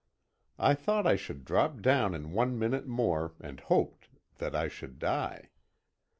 I thought I should drop down in one minute more, and hoped that I should die.